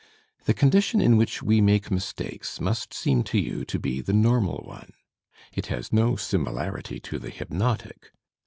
The condition in which we make mistakes most seem to you to be the normal one. It has no similarity to the hypnotic.